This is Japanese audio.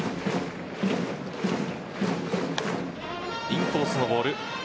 インコースのボール。